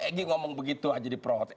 egy ngomong begitu aja diprot